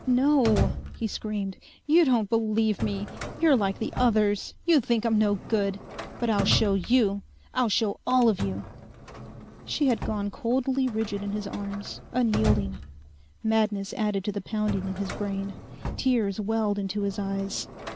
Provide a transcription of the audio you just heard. "No!" he screamed. "You don't believe me! You're like the others! You think I'm no good! But I'll show you! I'll show all of you!" She had gone coldly rigid in his arms, unyielding. Madness added to the pounding in his brain. Tears welled into his eyes.